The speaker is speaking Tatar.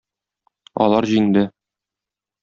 Алар җиңде.